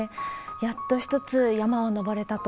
やっと一つ山を登れたと。